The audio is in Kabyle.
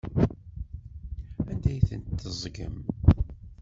Anda ay tent-teẓẓgem?